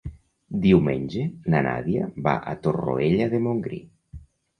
Diumenge na Nàdia va a Torroella de Montgrí.